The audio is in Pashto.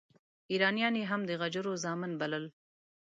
ایرانیان یې هم د غجرو زامن بلل.